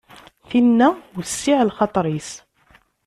Tinna wessiε lxaṭer-is.